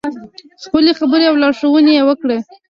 خپلې خبرې او لارښوونې یې وکړې.